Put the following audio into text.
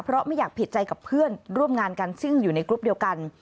เพราะไม่อยากผิดใจกับเพื่อนร่วมงานกันซึ่งอยู่ในกรุ๊ปเดียวกัน